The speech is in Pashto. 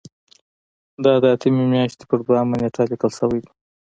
دا د اتمې میاشتې په دویمه نیټه لیکل شوی دی.